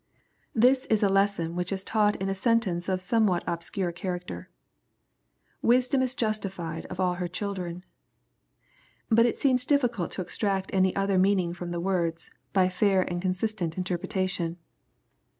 This is a lesson which is taught in a sentence of some what obscure character :" Wisdom is justified of all her children." But it seems difficult to extract any other meaning from the words, by fair and consistent interpre tation.